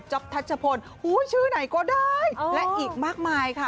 จ๊อบทัชชะพลโอ้โหชื่อไหนก็ได้และอีกมากมายค่ะ